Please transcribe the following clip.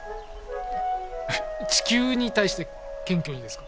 えっ地球に対して謙虚にですか？